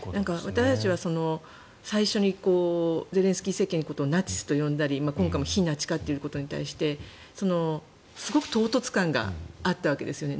私たちは最初にゼレンスキー政権のことをナチスと呼んだり、今回も非ナチ化ということに対してすごく唐突感があったわけなんです。